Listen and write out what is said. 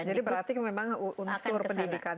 jadi berarti memang unsur pendidikan